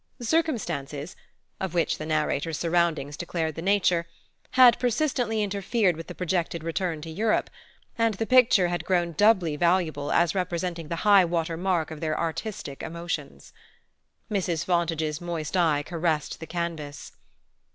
Circumstances (of which the narrator's surroundings declared the nature) had persistently interfered with the projected return to Europe, and the picture had grown doubly valuable as representing the high water mark of their artistic emotions. Mrs. Fontage's moist eye caressed the canvas.